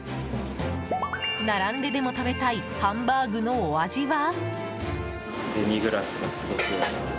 並んででも食べたいハンバーグのお味は？